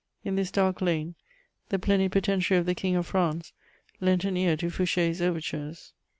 In this dark lane, the plenipotentiary of the King of France lent an ear to Fouché's overtures.